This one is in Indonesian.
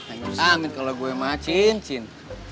anjur sih amit kalau gue macin